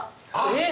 えっ？